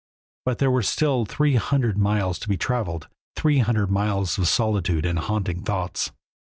But there were still three hundred miles to be traveled, three hundred miles of solitude and haunting thoughts.